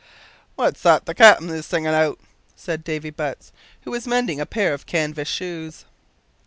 "What's that the cap'en is singin' out?" said Davy Butts, who was mending a pair of canvas shoes.